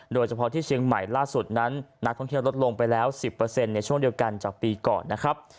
โดยเฉพาะที่เชียงใหม่ล่าสุดนั้นนักท่องเที่ยวลดลงไปแล้ว๑๐ในช่วงเดียวกันจากปีก่อนนะครับ